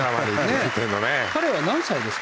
彼は何歳ですか？